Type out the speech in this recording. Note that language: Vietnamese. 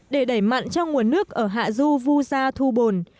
để đẩy mặn cho nguồn nước ở hạ du vu gia thu bồn